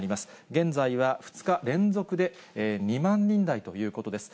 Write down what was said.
現在は２日連続で２万人台ということです。